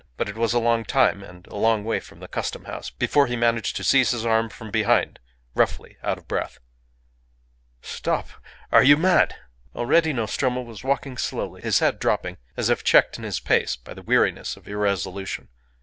But it was a long time, and a long way from the Custom House, before he managed to seize his arm from behind, roughly, out of breath. "Stop! Are you mad?" Already Nostromo was walking slowly, his head dropping, as if checked in his pace by the weariness of irresolution.